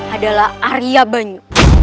adalah arya banyu